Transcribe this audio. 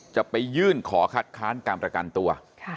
จะไปยื่นขอคัดค้านการประกันตัว